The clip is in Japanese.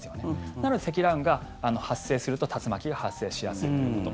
なので積乱雲が発生すると竜巻が発生しやすいということ。